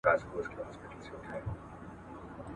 د ذهني ښکېلاک پر ضد مبارز و